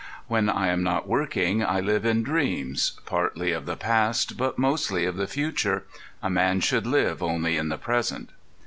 When I am not working I live in dreams, partly of the past, but mostly of the future. A man should live only in the present.